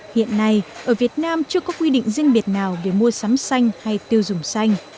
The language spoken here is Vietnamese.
hiện nay ở việt nam chưa có quy định riêng biệt nào về mua sắm xanh hay tiêu dùng xanh